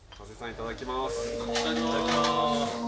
いただきます。